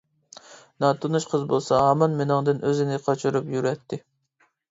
ناتونۇش قىز بولسا ھامان مېنىڭدىن ئۆزىنى قاچۇرۇپ يۈرەتتى.